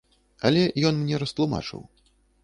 Але ён мне растлумачыў.